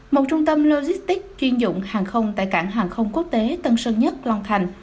một trung tâm logistics chuyên dụng hàng không tại cảng hàng không quốc tế tân sơn nhất long thành